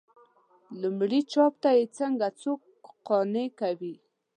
لومړي چاپ ته یې څنګه څوک قانع کوي.